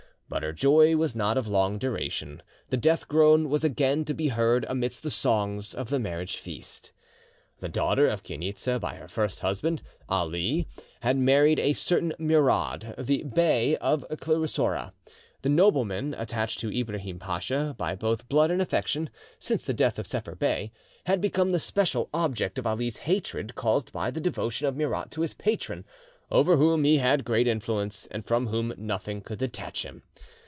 But her joy was not of long duration; the death groan was again to be heard amidst the songs of the marriage feast. The daughter of Chainitza, by her first husband, Ali, had married a certain Murad, the Bey of Clerisoura. This nobleman, attached to Ibrahim Pacha by both blood and affection, since the death of Sepher Bey, had, become the special object of Ali's hatred, caused by the devotion of Murad to his patron, over whom he had great influence, and from whom nothing could detach him.